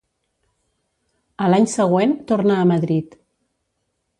A l'any següent torna a Madrid.